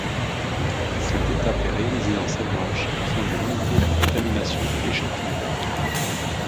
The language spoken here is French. Cette étape est réalisée en salle blanche afin de limiter la contamination de l'échantillon.